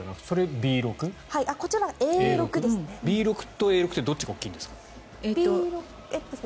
Ｂ６とＡ６ってどっちが大きいんですか？